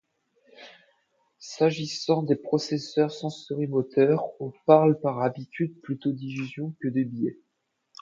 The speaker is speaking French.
S'agissant des processus sensori-moteurs, on parle par habitude plutôt d'illusions que de biais.